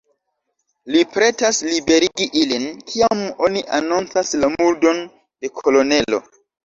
Li pretas liberigi ilin, kiam oni anoncas la murdon de kolonelo.